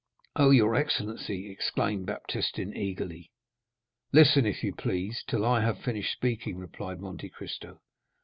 "Oh, your excellency!" exclaimed Baptistin eagerly. "Listen, if you please, till I have finished speaking," replied Monte Cristo.